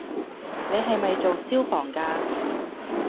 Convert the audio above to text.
你係咪做消防架